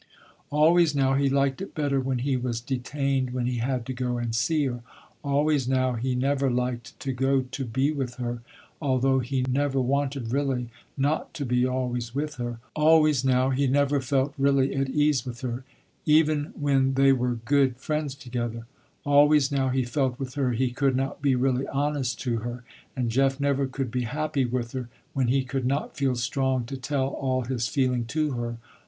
Always now he liked it better when he was detained when he had to go and see her. Always now he never liked to go to be with her, although he never wanted really, not to be always with her. Always now he never felt really at ease with her, even when they were good friends together. Always now he felt, with her, he could not be really honest to her. And Jeff never could be happy with her when he could not feel strong to tell all his feeling to her.